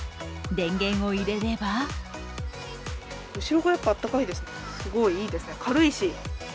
電源を入れれば後ろがやっぱ暖かいですね、いいですね、軽いし。